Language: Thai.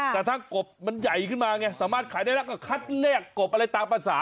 แต่ถ้ากบมันใหญ่ขึ้นมาไงสามารถขายได้แล้วก็คัดแลกกบอะไรตามภาษา